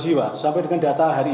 sehingga tsunami yang terjadi tadi malam